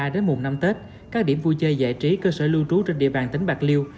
hai mươi ba đến mùa năm tết các điểm vui chơi giải trí cơ sở lưu trú trên địa bàn tỉnh bạc liêu